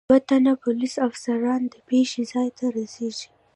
دو تنه پولیس افسران د پېښې ځای ته رسېږي.